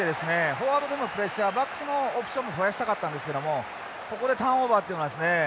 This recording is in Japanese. フォワードでもプレッシャーバックスもオプションも増やしたかったんですけどもここでターンオーバーっていうのはですね